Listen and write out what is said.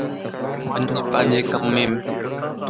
وڃ پانجي ڪم يم